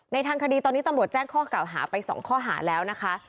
ทางคดีตอนนี้ตำรวจแจ้งข้อเก่าหาไป๒ข้อหาแล้วนะคะ